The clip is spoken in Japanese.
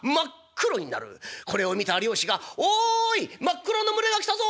これを見た漁師が『おい真っ黒の群れが来たぞ！